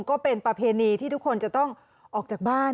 ก็เป็นประเพณีที่ทุกคนจะต้องออกจากบ้าน